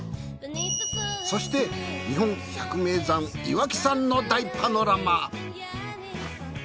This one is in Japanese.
そして日本百名山岩木山の大パノラマ。